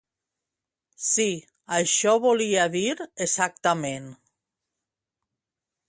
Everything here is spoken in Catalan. Sí, això volia dir exactament.